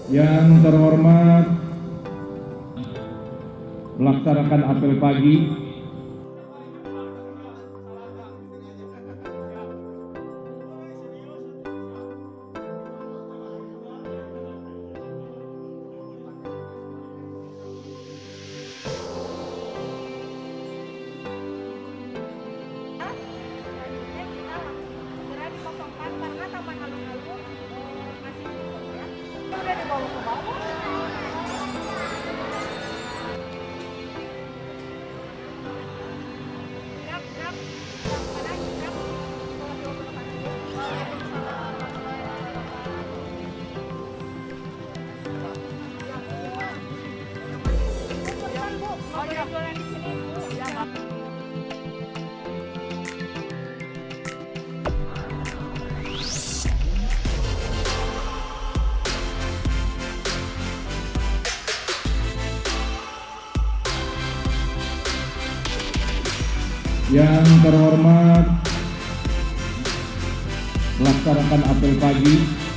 yang terhormat melaksanakan apel pagi